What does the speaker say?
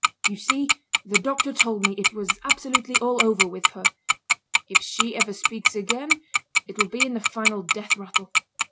"You see, the doctor told me it was absolutely all over with her. If she ever speaks again it will be in the final death rattle.